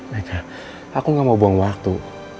mereka aku gak mau buang waktu